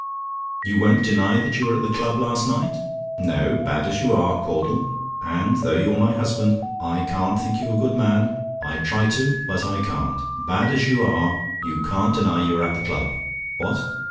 You won't deny that you were at the club last night? No, bad as you are, Caudle and though you're my husband, I can't think you a good man; I try to do, but I can't bad as you are, you can't deny you were at the club. What?